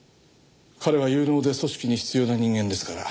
彼は有能で組織に必要な人間ですから。